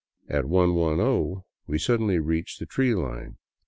At no we suddenly reached the tree line.